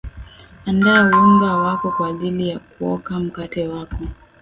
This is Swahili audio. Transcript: andaa unga wako kwa ajili ya kuoka mkate wako